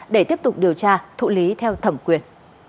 để tiếp tục điều tra thụ lý theo thẩm quyền